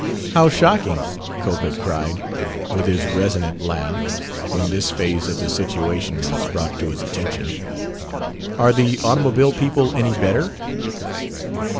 "How shocking!" Cope had cried, with his resonant laugh, when this phase of the situation was brought to his attention. "Are the automobile people any better?"